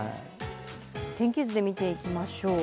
天気図で見ていきましょう。